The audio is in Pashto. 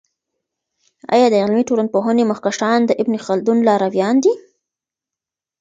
آیا د علمي ټولپوهني مخکښان د ابن خلدون لارویان دی؟